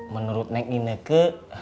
menurut nek indeke